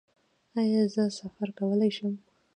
ایا زه سفر کولی شم؟